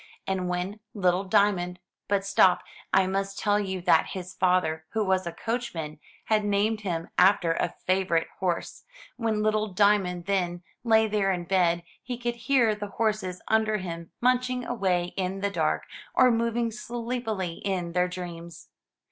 And when little Diamond — but stop, I must tell you that his father who was a coachman, had named him after a favorite horse — when little Diamond, then, lay there in bed, he could hear the horses under him munching away in the dark, or moving sleep ily in their dreams.